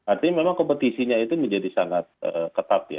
artinya memang kompetisinya itu menjadi sangat ketat ya